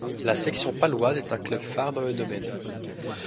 La Section paloise est un club phare dans le domaine.